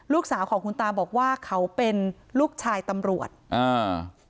ลูกสาวของคุณตาบอกว่าเขาเป็นลูกชายตำรวจอ่า